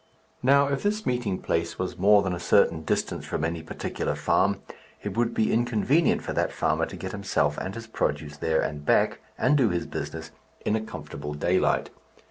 Now, if this meeting place was more than a certain distance from any particular farm, it would be inconvenient for that farmer to get himself and his produce there and back, and to do his business in a comfortable daylight.